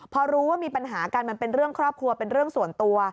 พอรู้ว่ามีปัญหากันมันเป็นเรื่องครอบครัวเป็นเรื่องส่วนตัว